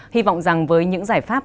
hy vọng rằng với những giải pháp